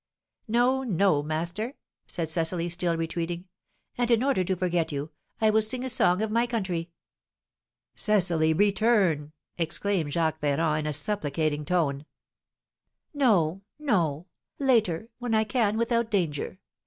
"No, no, master!" said Cecily, still retreating. "And in order to forget you, I will sing a song of my country." "Cecily, return!" exclaimed Jacques Ferrand, in a supplicating tone. "No, no! Later, when I can without danger.